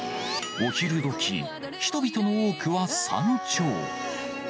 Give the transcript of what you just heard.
お昼どき、人々の多くは山頂。